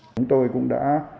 chúng tôi cũng đã